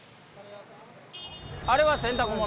あれは洗濯物？